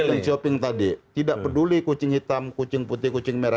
nah kita tidak peduli kucing hitam kucing putih kucing merah